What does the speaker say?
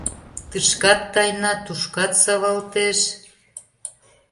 Тышкат тайна, тушкат савалтеш.